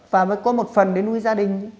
và mới có một phần để nuôi gia đình